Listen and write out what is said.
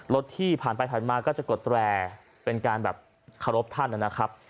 รถที่ผ่านไปผ่านมาก็จะกดแตรเป็นการแบบเคารพท่านนะครับ